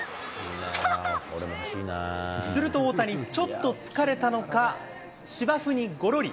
すると大谷、ちょっと疲れたのか、芝生にごろり。